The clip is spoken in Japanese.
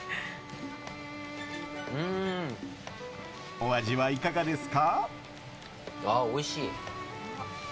お味はいかがですか？